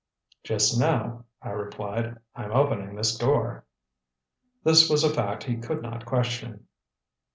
"Just now," I replied, "I'm opening this door." This was a fact he could not question.